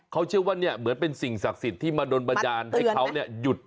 เขาเชื่อว่าเนี่ยเหมือนเป็นสิ่งศักดิ์สิทธิ์ที่มาโดนบันดาลให้เขาหยุด